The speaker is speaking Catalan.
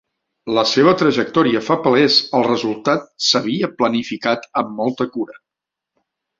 La seva trajectòria fa palès el resultat s'havia planificat amb molta cura.